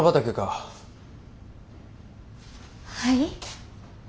はい？